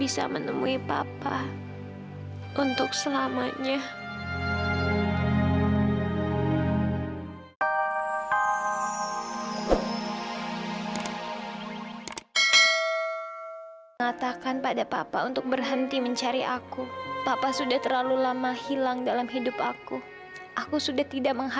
sampai jumpa di video selanjutnya